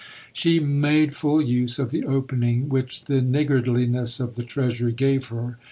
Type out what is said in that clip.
She made full use of the opening which the niggardliness of the Treasury gave her.